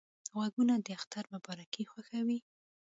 غوږونه د اختر مبارکۍ خوښوي